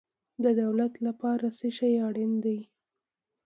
د دولت لپاره څه شی اړین دی؟